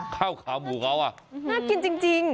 ข้าวขาหมูเขาน่ากินจริง